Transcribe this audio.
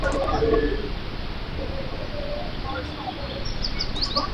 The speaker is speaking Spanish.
Su capital es la ciudad de Görlitz.